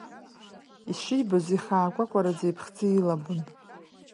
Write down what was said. Ишибоз ихаакәакәараӡа иԥхӡы илабон.